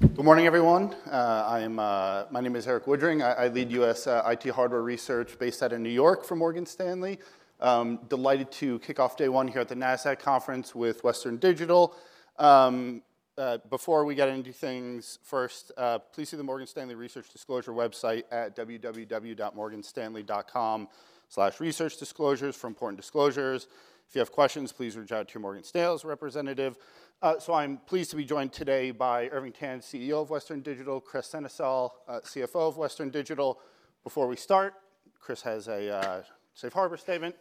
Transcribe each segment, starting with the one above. Good morning, everyone. I am, my name is Erik Woodring. I lead U.S. IT hardware research based out of New York for Morgan Stanley. Delighted to kick off day one here at the Morgan Stanley Conference with Western Digital. Before we get into things, first, please see the Morgan Stanley Research Disclosure website at www.morganstanley.com/researchdisclosures for important disclosures. If you have questions, please reach out to your Morgan Stanley representative. So I'm pleased to be joined today by Irving Tan, CEO of Western Digital, Kris Sennesael, CFO of Western Digital. Before we start, Kris has a safe harbor statement,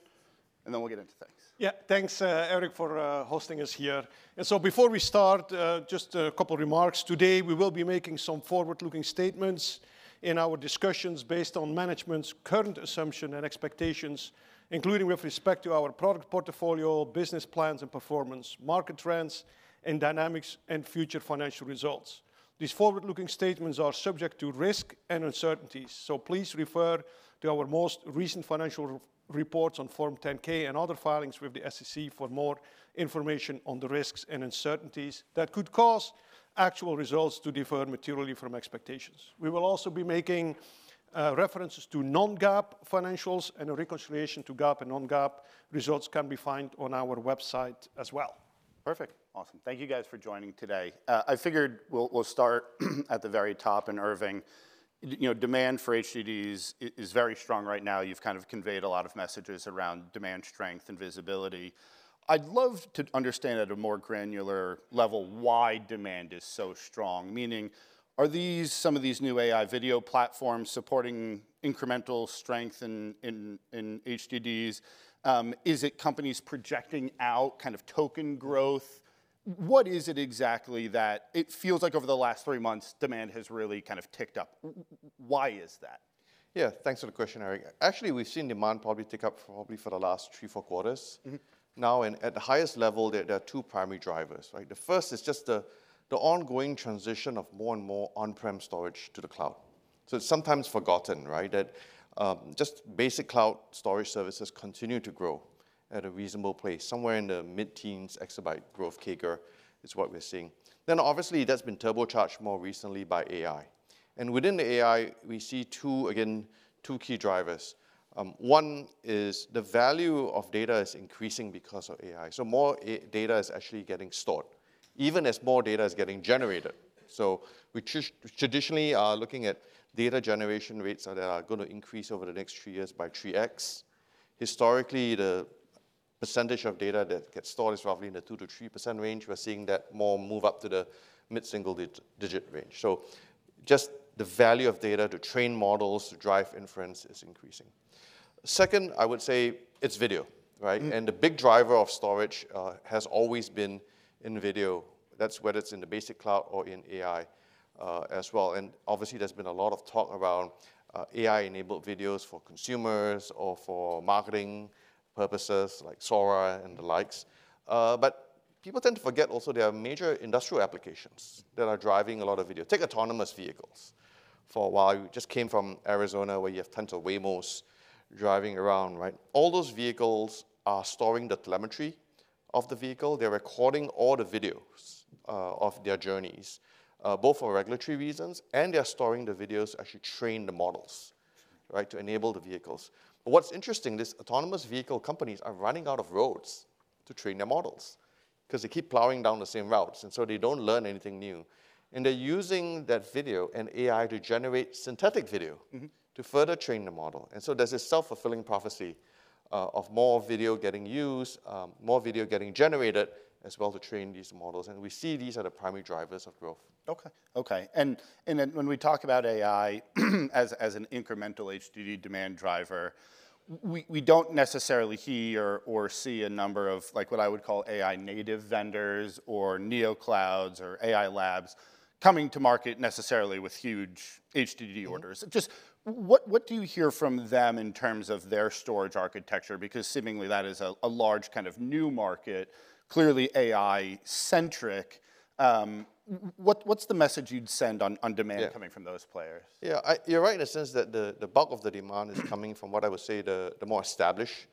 and then we'll get into things. Yeah, thanks, Erik, for hosting us here. So before we start, just a couple of remarks. Today, we will be making some forward-looking statements in our discussions based on management's current assumptions and expectations, including with respect to our product portfolio, business plans, and performance, market trends, and dynamics, and future financial results. These forward-looking statements are subject to risk and uncertainties, so please refer to our most recent financial reports on Form 10-K and other filings with the SEC for more information on the risks and uncertainties that could cause actual results to differ materially from expectations. We will also be making references to non-GAAP financials, and a reconciliation to GAAP and non-GAAP results can be found on our website as well. Perfect. Awesome. Thank you, guys, for joining today. I figured we'll start at the very top. Irving, you know, demand for HDDs is very strong right now. You've kind of conveyed a lot of messages around demand strength and visibility. I'd love to understand at a more granular level why demand is so strong, meaning, are these some of these new AI video platforms supporting incremental strength in HDDs? Is it companies projecting out kind of token growth? What is it exactly that it feels like over the last three months demand has really kind of ticked up? Why is that? Yeah, thanks for the question, Erik. Actually, we've seen demand probably tick up for the last three, four quarters. Now, at the highest level, there are two primary drivers, right? The first is just the ongoing transition of more and more on-prem storage to the cloud. So it's sometimes forgotten, right, that just basic cloud storage services continue to grow at a reasonable pace, somewhere in the mid-teens, exabyte growth figure is what we're seeing. Then, obviously, that's been turbocharged more recently by AI. And within the AI, we see two, again, two key drivers. One is the value of data is increasing because of AI. So more data is actually getting stored, even as more data is getting generated. So we traditionally are looking at data generation rates that are gonna increase over the next three years by 3x. Historically, the percentage of data that gets stored is roughly in the 2%-3% range. We're seeing that more move up to the mid-single digit range. So just the value of data to train models, to drive inference, is increasing. Second, I would say it's video, right? And the big driver of storage has always been in video. That's whether it's in the basic cloud or in AI, as well. And obviously, there's been a lot of talk around AI-enabled videos for consumers or for marketing purposes like Sora and the likes. But people tend to forget also there are major industrial applications that are driving a lot of video. Take autonomous vehicles. For a while, we just came from Arizona where you have tons of Waymos driving around, right? All those vehicles are storing the telemetry of the vehicle. They're recording all the videos of their journeys, both for regulatory reasons, and they're storing the videos to actually train the models, right, to enable the vehicles. What's interesting, these autonomous vehicle companies are running out of roads to train their models because they keep plowing down the same routes, and so they don't learn anything new. They're using that video and AI to generate synthetic video to further train the model. And so there's this self-fulfilling prophecy, of more video getting used, more video getting generated as well to train these models. And we see these are the primary drivers of growth. Okay. And then when we talk about AI as an incremental HDD demand driver, we don't necessarily hear or see a number of, like, what I would call AI-native vendors or NeoClouds or AI labs coming to market necessarily with huge HDD orders. Just what do you hear from them in terms of their storage architecture? Because seemingly that is a large kind of new market, clearly AI-centric. What's the message you'd send on demand coming from those players? Yeah. You're right in a sense that the bulk of the demand is coming from what I would say the more established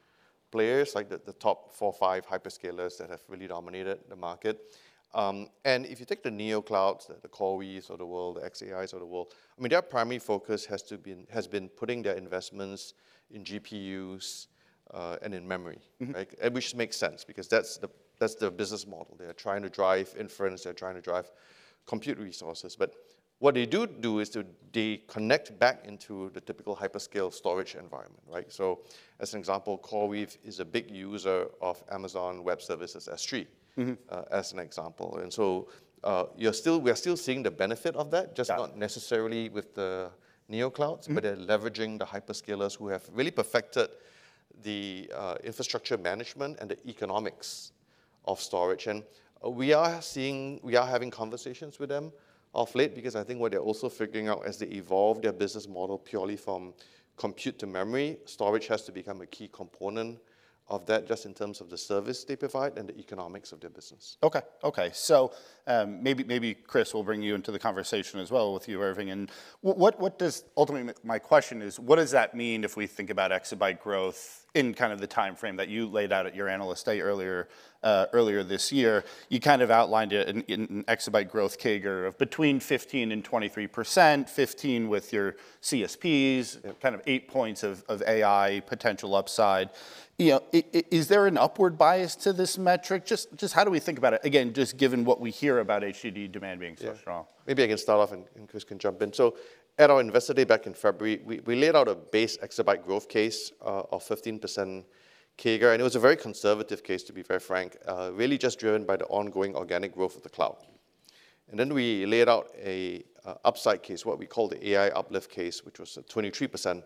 players, like the top four, five hyperscalers that have really dominated the market, and if you take the NeoClouds, the CoreWeaves of the world, the xAIs of the world. I mean, their primary focus has to be has been putting their investments in GPUs, and in memory. And that makes sense because that's the business model. They're trying to drive inference. They're trying to drive compute resources. But what they do is they connect back into the typical hyperscale storage environment, right? So as an example, CoreWeave is a big user of Amazon Web Services S3 as an example. And so, we're still seeing the benefit of that. Just not necessarily with the NeoClouds, but they're leveraging the hyperscalers who have really perfected the infrastructure management and the economics of storage. We are seeing we are having conversations with them of late because I think what they're also figuring out as they evolve their business model purely from compute to memory, storage has to become a key component of that just in terms of the service they provide and the economics of their business. Okay. So, maybe Kris will bring you into the conversation as well with you, Irving. And what does that ultimately mean? My question is, what does that mean if we think about exabyte growth in kind of the timeframe that you laid out at your analyst day earlier this year? You kind of outlined it in exabyte growth CAGR of between 15% and 23%, 15% with your CSPs, kind of eight points of AI potential upside. You know, is there an upward bias to this metric? Just how do we think about it? Again, just given what we hear about HDD demand being so strong. Yeah. Maybe I can start off and Kris can jump in. So at our investor day back in February, we laid out a base exabyte growth case of 15% CAGR. And it was a very conservative case, to be very frank, really just driven by the ongoing organic growth of the cloud. And then we laid out an upside case, what we called the AI uplift case, which was a 23%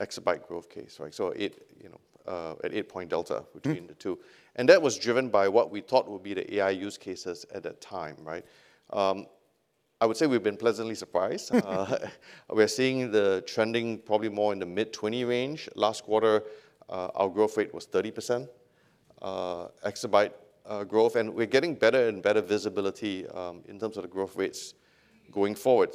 exabyte growth case, right? So at eight-point delta between the two. And that was driven by what we thought would be the AI use cases at that time, right? I would say we've been pleasantly surprised. We're seeing the trending probably more in the mid-20 range. Last quarter, our growth rate was 30% exabyte growth. And we're getting better and better visibility in terms of the growth rates going forward.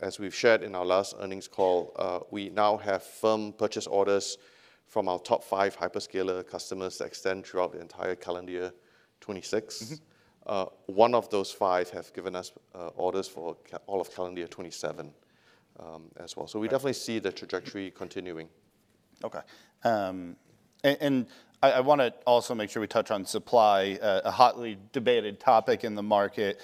As we've shared in our last earnings call, we now have firm purchase orders from our top five hyperscaler customers that extend throughout the entire calendar year 2026. One of those five have given us orders for all of calendar year 2027, as well. So we definitely see the trajectory continuing. Okay. And I wanna also make sure we touch on supply, a hotly debated topic in the market.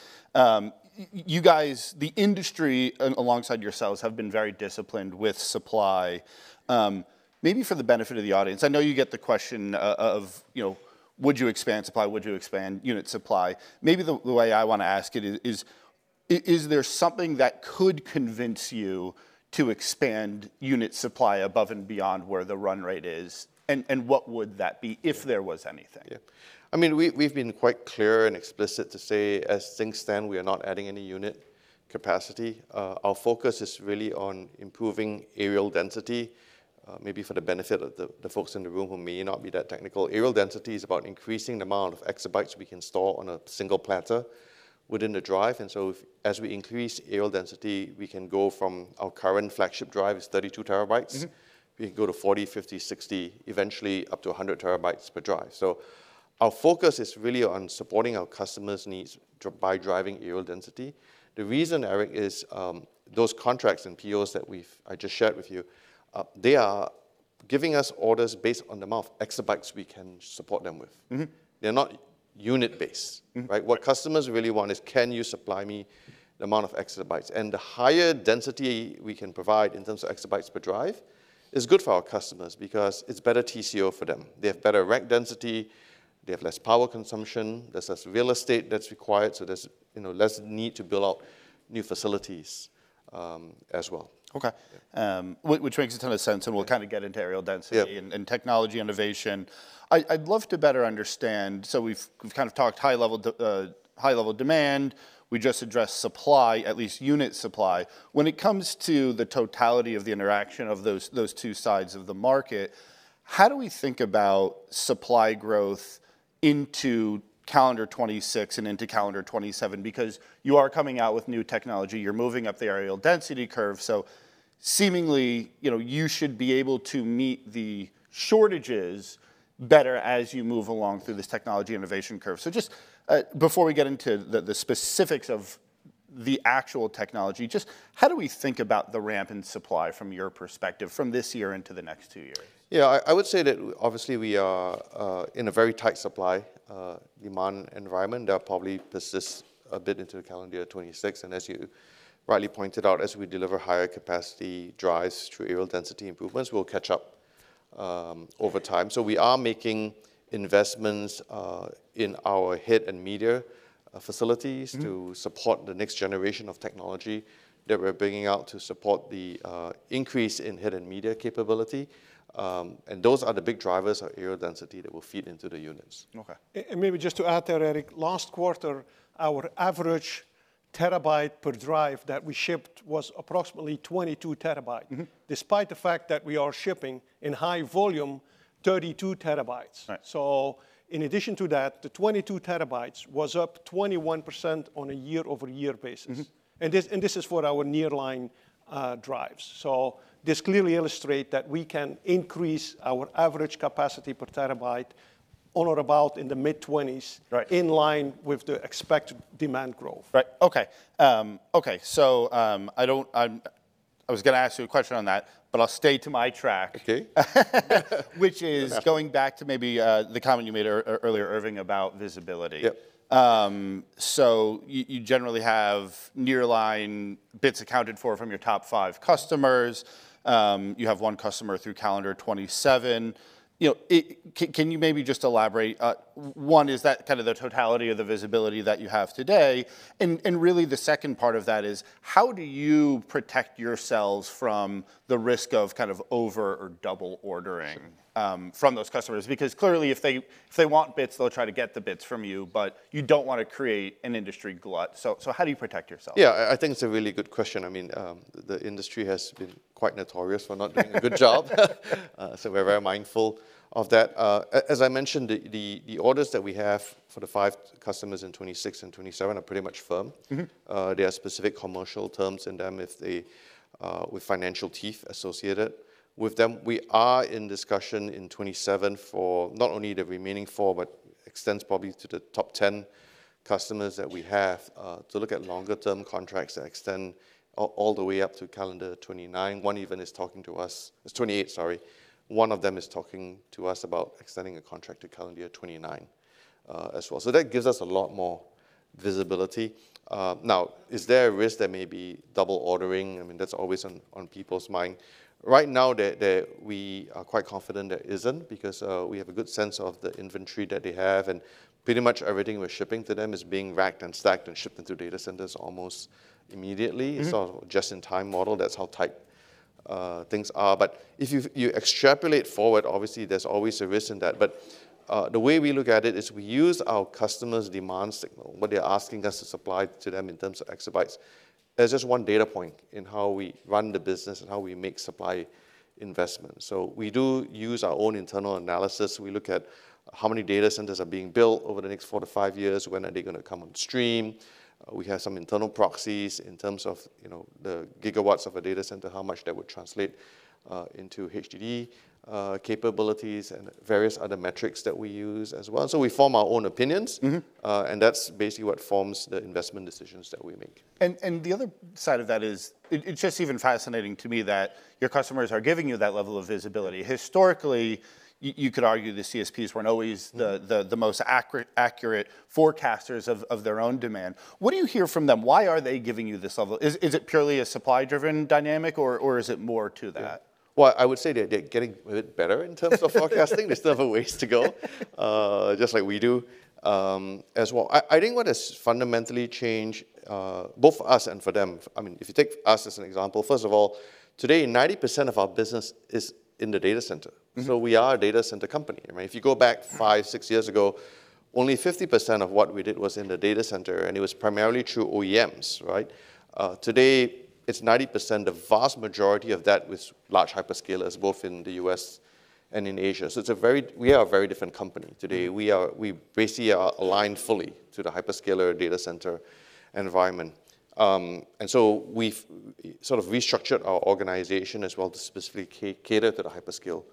You guys, the industry alongside yourselves, have been very disciplined with supply. Maybe for the benefit of the audience, I know you get the question of, you know, would you expand supply? Would you expand unit supply? Maybe the way I wanna ask it is, is there something that could convince you to expand unit supply above and beyond where the run rate is? And what would that be if there was anything? Yeah. I mean, we, we've been quite clear and explicit to say, as things stand, we are not adding any unit capacity. Our focus is really on improving areal density, maybe for the benefit of the, the folks in the room who may not be that technical. Areal density is about increasing the amount of Exabytes we can store on a single platter within the drive. And so if, as we increase areal density, we can go from our current flagship drive is 32 TB. We can go to 40 TB, 50 TB, 60 TB, eventually up to 100 TB per drive. So our focus is really on supporting our customers' needs by driving areal density. The reason, Erik, is those contracts and POs that I've just shared with you. They are giving us orders based on the amount of Exabytes we can support them with. They're not unit-based. What customers really want is, can you supply me the amount of Exabytes? And the higher density we can provide in terms of Exabytes per drive is good for our customers because it's better TCO for them. They have better rack density. They have less power consumption. There's less real estate that's required. So there's, you know, less need to build out new facilities, as well. Okay, which makes a ton of sense, and we'll kind of get into areal density technology innovation. I'd love to better understand. We've kind of talked high-level demand. We just addressed supply, at least unit supply. When it comes to the totality of the interaction of those two sides of the market, how do we think about supply growth into calendar 2026 and into calendar 2027? Because you are coming out with new technology. You're moving up the areal density curve. Seemingly, you know, you should be able to meet the shortages better as you move along through this technology innovation curve. Just before we get into the specifics of the actual technology, just how do we think about the ramp in supply from your perspective from this year into the next two years? Yeah. I would say that obviously we are in a very tight supply-demand environment. That'll probably persist a bit into the calendar year 2026. As you rightly pointed out, as we deliver higher capacity drives through areal density improvements, we'll catch up over time. So we are making investments in our head and media facilities to support the next generation of technology that we're bringing out to support the increase in head and media capability, and those are the big drivers of areal density that will feed into the units. And maybe just to add there, Erik, last quarter, our average terabyte per drive that we shipped was approximately 22 TB. Despite the fact that we are shipping in high volume, 32 TB. In addition to that, the 22 TB was up 21% on a year-over-year basis. This is for our nearline drives. This clearly illustrates that we can increase our average capacity per terabyte on or about in the mid-20s in line with the expected demand growth. Okay. So, I was going to ask you a question on that, but I'll stay on track which is going back to maybe the comment you made earlier, Irving, about visibility. So you generally have nearline bits accounted for from your top five customers. You have one customer through calendar 2027. You know, can you maybe just elaborate? One, is that kind of the totality of the visibility that you have today? And really the second part of that is, how do you protect yourselves from the risk of kind of over or double ordering from those customers? Because clearly, if they want bits, they'll try to get the bits from you, but you don't wanna create an industry glut. So, how do you protect yourself? Yeah. I think it's a really good question. I mean, the industry has been quite notorious for not doing a good job. So we're very mindful of that. As I mentioned, the orders that we have for the five customers in 2026 and 2027 are pretty much firm, there are specific commercial terms in them, with financial teeth associated with them. We are in discussion in 2027 for not only the remaining four, but extends probably to the top 10 customers that we have, to look at longer-term contracts that extend all the way up to calendar 2028, sorry. One of them is talking to us about extending a contract to calendar year 2029, as well. So that gives us a lot more visibility. Now, is there a risk that maybe double ordering? I mean, that's always on people's mind. Right now, we are quite confident there isn't because we have a good sense of the inventory that they have. And pretty much everything we're shipping to them is being racked and stacked and shipped into data centers almost immediately. It's sort of a just-in-time model. That's how tight things are. But if you extrapolate forward, obviously there's always a risk in that. But the way we look at it is we use our customers' demand signal, what they're asking us to supply to them in terms of Exabytes. There's just one data point in how we run the business and how we make supply investments. So we do use our own internal analysis. We look at how many data centers are being built over the next four to five years. When are they gonna come on stream? We have some internal proxies in terms of, you know, the gigawatts of a data center, how much that would translate into HDD capabilities and various other metrics that we use as well. So we form our own opinions and that's basically what forms the investment decisions that we make. The other side of that is it's just even fascinating to me that your customers are giving you that level of visibility. Historically, you could argue the CSPs weren't always the most accurate forecasters of their own demand. What do you hear from them? Why are they giving you this level? Is it purely a supply-driven dynamic, or is it more to that? I would say they're getting a bit better in terms of forecasting. They still have a ways to go, just like we do, as well. I didn't want us to fundamentally change, both for us and for them. I mean, if you take us as an example, first of all, today, 90% of our business is in the data center, so we are a data center company. I mean, if you go back five, six years ago, only 50% of what we did was in the data center, and it was primarily through OEMs, right? Today, it's 90%. The vast majority of that with large hyperscalers, both in the U.S. and in Asia. So it's a very different company today. We basically are aligned fully to the hyperscaler data center environment. We've sort of restructured our organization as well to specifically cater to the hyperscale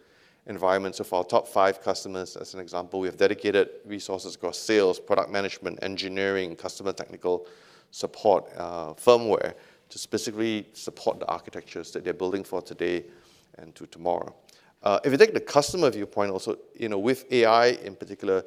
environment. So for our top five customers, as an example, we have dedicated resources across sales, product management, engineering, customer technical support, firmware to specifically support the architectures that they're building for today and to tomorrow. If you take the customer viewpoint also, you know, with AI in particular,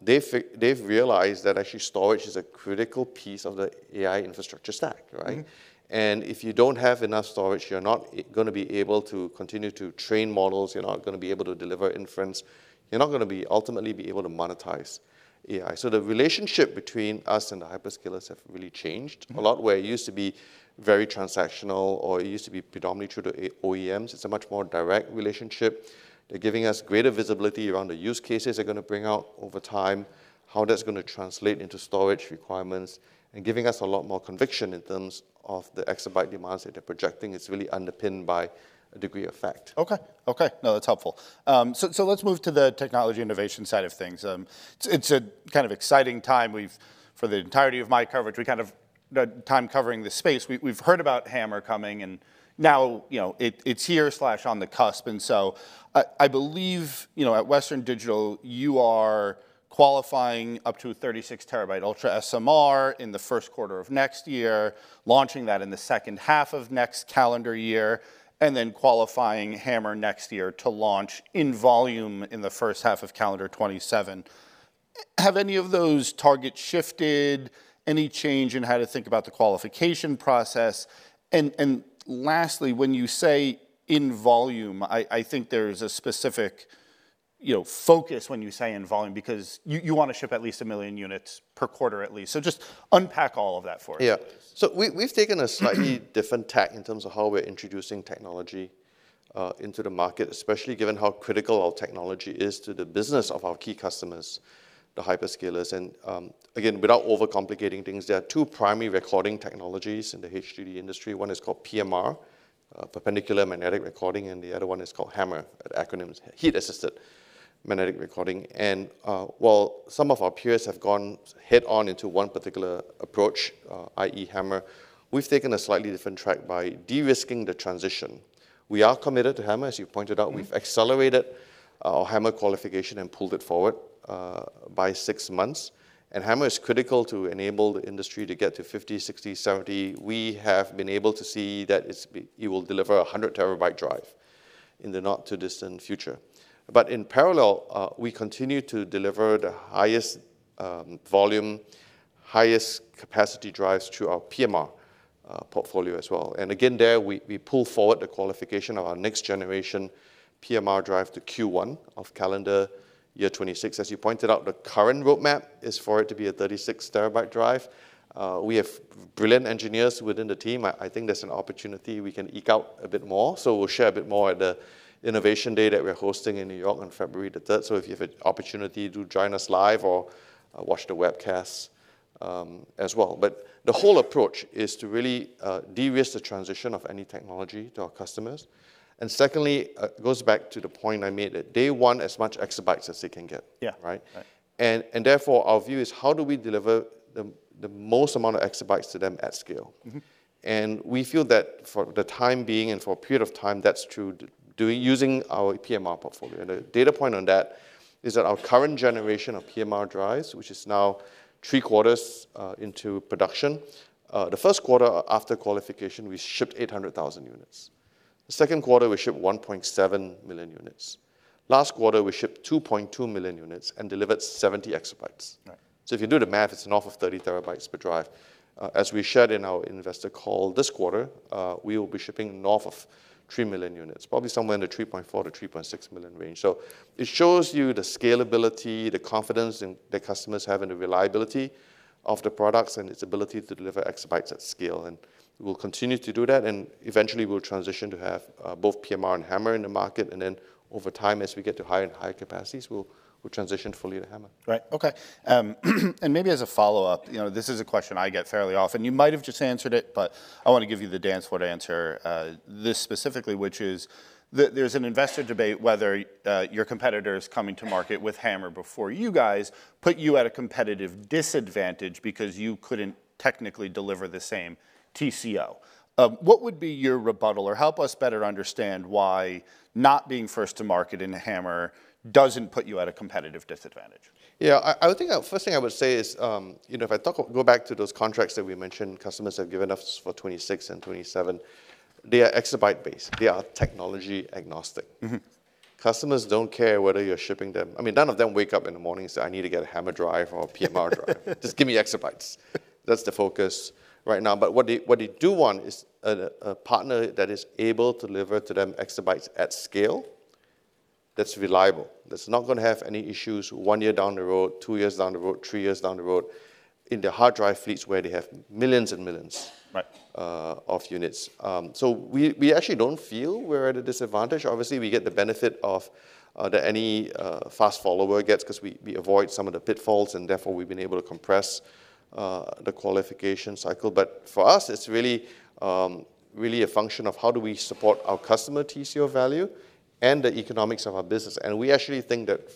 they've realized that actually storage is a critical piece of the AI infrastructure stack, right? If you don't have enough storage, you're not gonna be able to continue to train models. You're not gonna be able to deliver inference. You're not gonna ultimately be able to monetize AI. So the relationship between us and the hyperscalers have really changed a lot where it used to be very transactional or it used to be predominantly through the OEMs, it's a much more direct relationship. They're giving us greater visibility around the use cases they're gonna bring out over time, how that's gonna translate into storage requirements, and giving us a lot more conviction in terms of the exabyte demands that they're projecting. It's really underpinned by a degree of fact. Okay. No, that's helpful, so let's move to the technology innovation side of things. It's a kind of exciting time. For the entirety of my coverage, we've kind of time covering this space. We've heard about HAMR coming, and now, you know, it's here or on the cusp, and so I believe, you know, at Western Digital, you are qualifying up to a 36 TB Ultra SMR in the first quarter of next year, launching that in the second half of next calendar year, and then qualifying HAMR next year to launch in volume in the first half of calendar 2027. Have any of those targets shifted? Any change in how to think about the qualification process? Lastly, when you say in volume, I think there's a specific, you know, focus when you say in volume because you wanna ship at least a million units per quarter at least. So just unpack all of that for us, please. Yeah. So we've taken a slightly different tack in terms of how we're introducing technology, into the market, especially given how critical our technology is to the business of our key customers, the hyperscalers. And, again, without overcomplicating things, there are two primary recording technologies in the HDD industry. One is called PMR, perpendicular magnetic recording, and the other one is called HAMR. The acronym's heat-assisted magnetic recording. And, while some of our peers have gone head-on into one particular approach, i.e., HAMR, we've taken a slightly different track by de-risking the transition. We are committed to HAMR, as you pointed out. We've accelerated our HAMR qualification and pulled it forward by six months, and HAMR is critical to enable the industry to get to 50 TB, 60 TB, 70 TB. We have been able to see that it will deliver a 100 TB drive in the not-too-distant future. But in parallel, we continue to deliver the highest volume, highest capacity drives to our PMR portfolio as well. And again, we pull forward the qualification of our next-generation PMR drive to Q1 of calendar year 2026. As you pointed out, the current roadmap is for it to be a 36 TB drive. We have brilliant engineers within the team. I think there's an opportunity we can eke out a bit more, so we'll share a bit more at the Innovation Day that we're hosting in New York on February the 3rd. So if you have an opportunity, do join us live or watch the webcast as well. But the whole approach is to really de-risk the transition of any technology to our customers. And secondly, it goes back to the point I made that they want as much Exabytes as they can get. Therefore, our view is how do we deliver the most amount of Exabytes to them at scale? And we feel that for the time being and for a period of time, that's true doing using our PMR portfolio. And the data point on that is that our current generation of PMR drives, which is now three quarters into production. The first quarter after qualification, we shipped 800,000 units. The second quarter, we shipped 1.7 million units. Last quarter, we shipped 2.2 million units and delivered 70 EB. So if you do the math, it's north of 30 TB per drive. As we shared in our investor call this quarter, we will be shipping north of 3 million units, probably somewhere in the 3.4 million-3.6 million range. So it shows you the scalability, the confidence in that customers have in the reliability of the products and its ability to deliver Exabytes at scale. And we'll continue to do that. And eventually, we'll transition to have both PMR and HAMR in the market. And then over time, as we get to higher and higher capacities, we'll transition fully to HAMR. Right. Okay, and maybe as a follow-up, you know, this is a question I get fairly often. You might have just answered it, but I wanna give you the standard answer to this specifically, which is that there's an investor debate whether your competitors coming to market with HAMR before you guys put you at a competitive disadvantage because you couldn't technically deliver the same TCO. What would be your rebuttal or help us better understand why not being first to market in HAMR doesn't put you at a competitive disadvantage? Yeah. I would think that first thing I would say is, you know, if I go back to those contracts that we mentioned, customers have given us for 2026 and 2027, they are exabyte-based. They are technology agnostic. Customers don't care whether you're shipping them. I mean, none of them wake up in the morning and say, "I need to get a HAMR drive or a PMR drive. Just give me Exabytes." That's the focus right now. But what they do want is a partner that is able to deliver to them Exabytes at scale that's reliable, that's not gonna have any issues one year down the road, two years down the road, three years down the road in their hard drive fleets where they have millions and millions of units. So we actually don't feel we're at a disadvantage. Obviously, we get the benefit of that any fast follower gets because we avoid some of the pitfalls, and therefore, we've been able to compress the qualification cycle. But for us, it's really, really a function of how do we support our customer TCO value and the economics of our business. And we actually think that,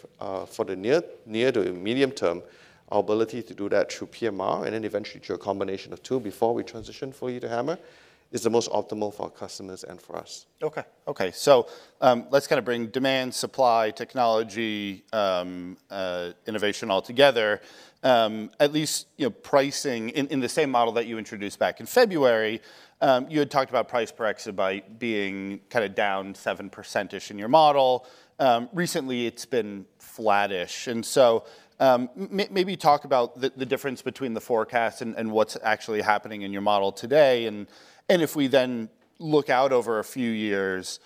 for the near to a medium-term, our ability to do that through PMR and then eventually through a combination of two before we transition fully to HAMR is the most optimal for our customers and for us. Okay. Okay. So, let's kind of bring demand, supply, technology, innovation all together. At least, you know, pricing in the same model that you introduced back in February, you had talked about price per exabyte being kind of down 7%-ish in your model. Recently, it's been flattish. And so, maybe talk about the difference between the forecast and what's actually happening in your model today. And if we then look out over a few years,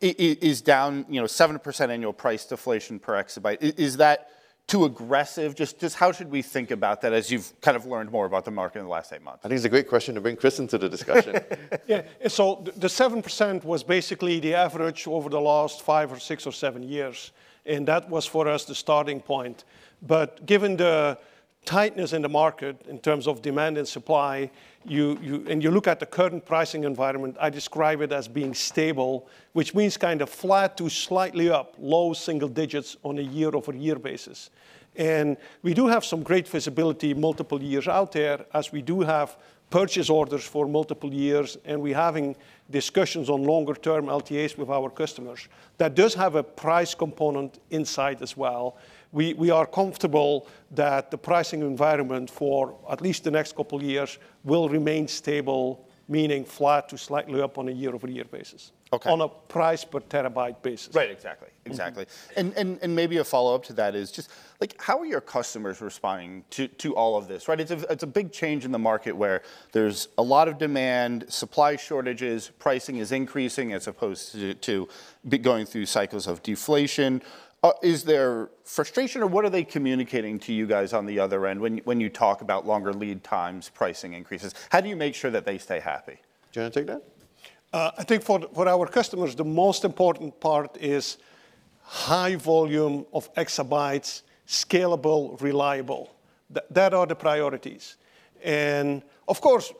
you know, 7% annual price deflation per exabyte, is that too aggressive? Just how should we think about that as you've kind of learned more about the market in the last eight months? I think it's a great question to bring Kris to the discussion. Yeah. So the 7% was basically the average over the last five or six or seven years, and that was for us the starting point, but given the tightness in the market in terms of demand and supply, you look at the current pricing environment. I describe it as being stable, which means kind of flat to slightly up, low single digits on a year-over-year basis, and we do have some great visibility multiple years out there as we do have purchase orders for multiple years, and we're having discussions on longer-term LTAs with our customers. That does have a price component inside as well. We are comfortable that the pricing environment for at least the next couple of years will remain stable, meaning flat to slightly up on a year-over-year basis, on a price per terabyte basis. Right. Exactly. And maybe a follow-up to that is just, like, how are your customers responding to all of this, right? It's a big change in the market where there's a lot of demand, supply shortages, pricing is increasing as opposed to going through cycles of deflation. Is there frustration, or what are they communicating to you guys on the other end when you talk about longer lead times, pricing increases? How do you make sure that they stay happy? Do you wanna take that? I think for our customers, the most important part is high volume of Exabytes, scalable, reliable. That are the priorities. And of course,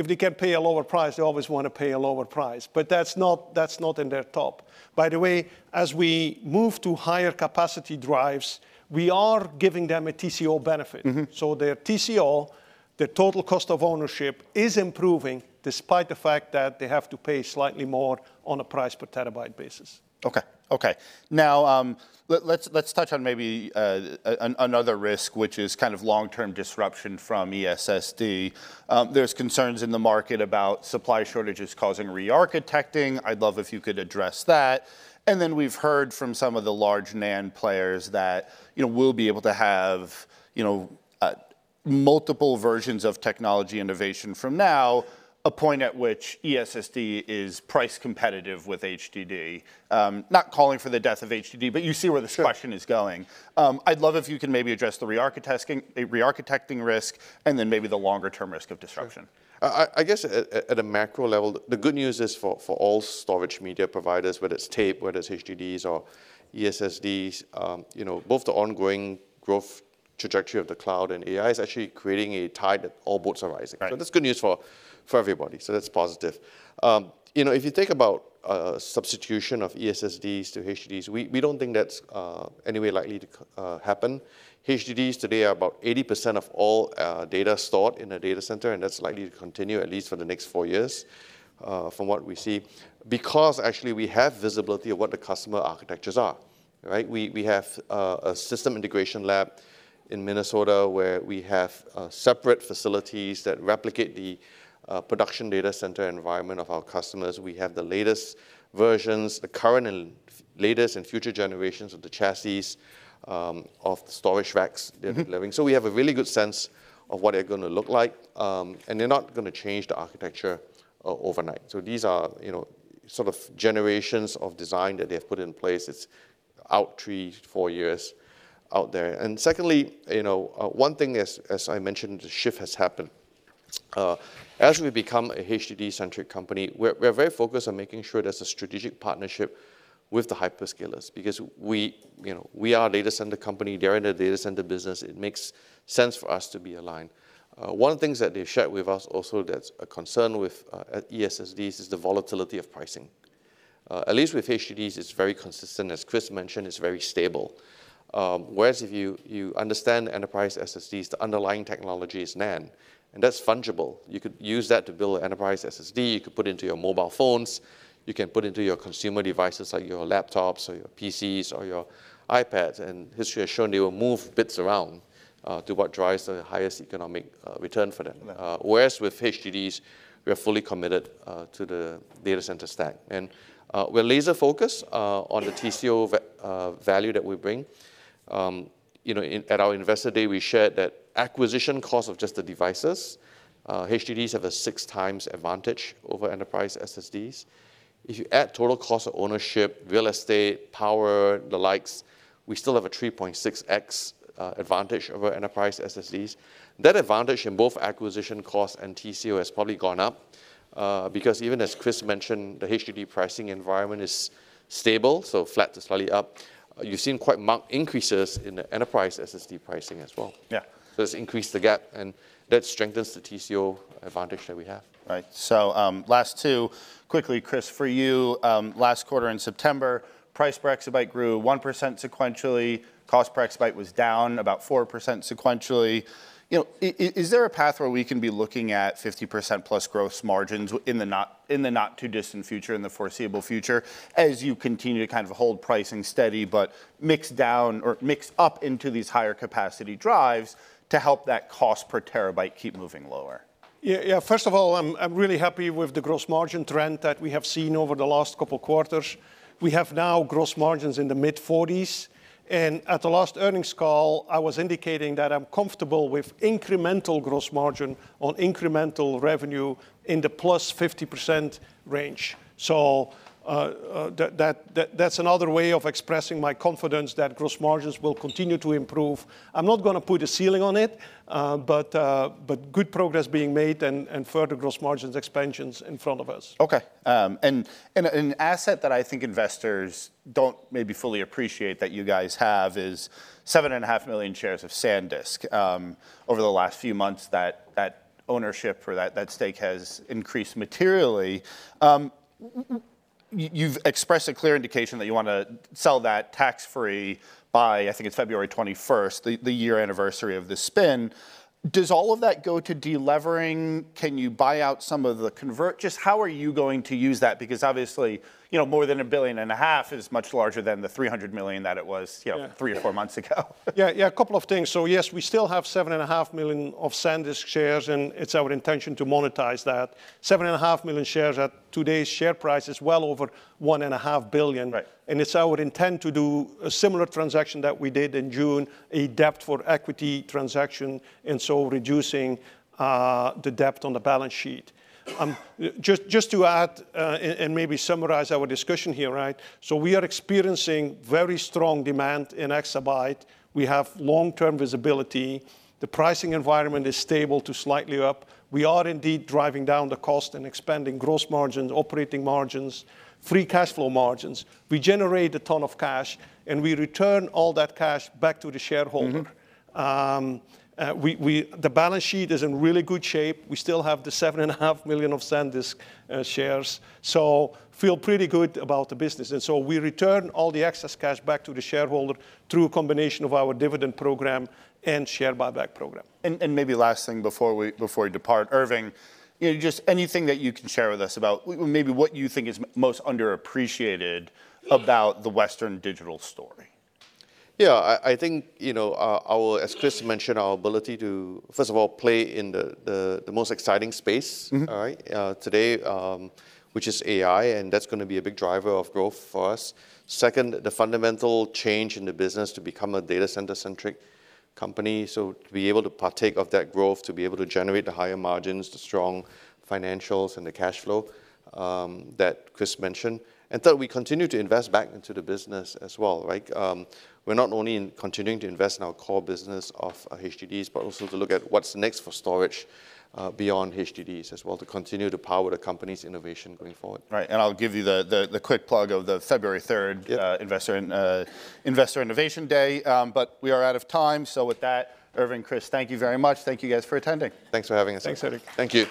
if they can pay a lower price, they always wanna pay a lower price. But that's not in their top. By the way, as we move to higher capacity drives, we are giving them a TCO benefit. So their TCO, their total cost of ownership, is improving despite the fact that they have to pay slightly more on a price per terabyte basis. Okay. Now, let's touch on maybe another risk, which is kind of long-term disruption from eSSD. There's concerns in the market about supply shortages causing re-architecting. I'd love if you could address that. And then we've heard from some of the large NAND players that, you know, we'll be able to have, you know, multiple versions of technology innovation from now, a point at which eSSD is price competitive with HDD. Not calling for the death of HDD, but you see where this question is going. I'd love if you can maybe address the re-architecting risk and then maybe the longer-term risk of disruption. I guess at a macro level, the good news is for all storage media providers, whether it's tape, whether it's HDDs or ESSDs, you know, both the ongoing growth trajectory of the cloud and AI is actually creating a tide that all boats are rising. So that's good news for everybody, so that's positive. You know, if you think about substitution of ESSDs to HDDs, we don't think that's anyway likely to happen. HDDs today are about 80% of all data stored in a data center, and that's likely to continue at least for the next four years, from what we see because actually we have visibility of what the customer architectures are, right? We have a system integration lab in Minnesota where we have separate facilities that replicate the production data center environment of our customers. We have the latest versions, the current and latest and future generations of the chassis, of the storage racks they're delivering. So we have a really good sense of what they're gonna look like. And they're not gonna change the architecture overnight. So these are, you know, sort of generations of design that they have put in place. It's out three, four years out there. And secondly, you know, one thing is, as I mentioned, the shift has happened. As we become a HDD-centric company, we're very focused on making sure there's a strategic partnership with the hyperscalers because we, you know, we are a data center company. They're in the data center business. It makes sense for us to be aligned. One of the things that they've shared with us also that's a concern with eSSDs is the volatility of pricing. At least with HDDs, it's very consistent. As Kris mentioned, it's very stable. Whereas if you understand enterprise SSDs, the underlying technology is NAND, and that's fungible. You could use that to build an enterprise SSD. You could put it into your mobile phones. You can put it into your consumer devices like your laptops or your PCs or your iPads, and history has shown they will move bits around, to what drives the highest economic return for them whereas with HDDs, we are fully committed to the data center stack. We're laser-focused on the TCO value that we bring. You know, in at our investor day, we shared that acquisition cost of just the devices, HDDs have a 6x advantage over enterprise SSDs. If you add total cost of ownership, real estate, power, the likes, we still have a 3.6x advantage over enterprise SSDs. That advantage in both acquisition cost and TCO has probably gone up, because even as Kris mentioned, the HDD pricing environment is stable, so flat to slightly up. You've seen quite marked increases in the enterprise SSD pricing as well. So it's increased the gap, and that strengthens the TCO advantage that we have. So, last two. Quickly, Kris, for you, last quarter in September, price per exabyte grew 1% sequentially. Cost per exabyte was down about 4% sequentially. You know, is there a path where we can be looking at 50%+ gross margins in the not-too-distant future, in the foreseeable future, as you continue to kind of hold pricing steady but mix down or mix up into these higher-capacity drives to help that cost per terabyte keep moving lower? Yeah. Yeah. First of all, I'm really happy with the gross margin trend that we have seen over the last couple of quarters. We have now gross margins in the mid-40s. And at the last earnings call, I was indicating that I'm comfortable with incremental gross margin on incremental revenue in the plus 50% range. So, that's another way of expressing my confidence that gross margins will continue to improve. I'm not gonna put a ceiling on it, but good progress being made and further gross margins expansions in front of us. Okay, and an asset that I think investors don't maybe fully appreciate that you guys have is 7.5 million shares of SanDisk. Over the last few months, that ownership or that stake has increased materially. You've expressed a clear indication that you wanna sell that tax-free by, I think it's February 21st, the year anniversary of the spin. Does all of that go to delevering? Can you buy out some of the convert? Just how are you going to use that? Because obviously, you know, more than $1.5 billion is much larger than the $300 million that it was, you know, three or four months ago. Yeah. Yeah. A couple of things. So yes, we still have 7.5 million of SanDisk shares, and it's our intention to monetize that. 7.5 million shares at today's share price is well over $1.5 billion. It's our intent to do a similar transaction that we did in June, a debt for equity transaction, and so reducing the debt on the balance sheet. Just to add and maybe summarize our discussion here, right? We are experiencing very strong demand in Exabyte. We have long-term visibility. The pricing environment is stable to slightly up. We are indeed driving down the cost and expanding gross margins, operating margins, free cash flow margins. We generate a ton of cash, and we return all that cash back to the shareholder. The balance sheet is in really good shape. We still have the 7.5 million of SanDisk shares. So feel pretty good about the business. And so we return all the excess cash back to the shareholder through a combination of our dividend program and share buyback program. Maybe the last thing before we depart, Irving, you know, just anything that you can share with us about maybe what you think is most underappreciated about the Western Digital story. Yeah. I think, you know, our, as Kris mentioned, our ability to, first of all, play in the most exciting space today, which is AI, and that's gonna be a big driver of growth for us. Second, the fundamental change in the business to become a data center-centric company. So to be able to partake of that growth, to be able to generate the higher margins, the strong financials, and the cash flow that Kris mentioned. And third, we continue to invest back into the business as well, right? We're not only continuing to invest in our core business of HDDs, but also to look at what's next for storage, beyond HDDs as well to continue to power the company's innovation going forward. Right. And I'll give you the quick plug of the February 3rd Investor Innovation Day, but we are out of time. So with that, Irving, Kris, thank you very much. Thank you guys for attending. Thanks for having us. Thank you.